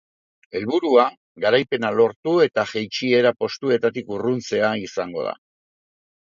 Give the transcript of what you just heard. Helburua, garaipena lortu eta jaitsiera postuetatik urruntzea izango da.